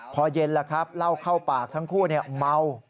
พอเย็นแล้วครับเล่าเข้าปากทั้งคู่เมา